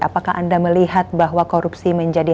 apakah anda melihat bahwa korupsi menjadi